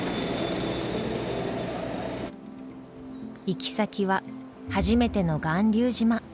行き先は初めての巌流島。